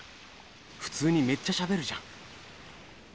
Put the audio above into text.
普通にめっちゃしゃべるじゃん。